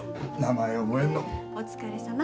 お疲れさま。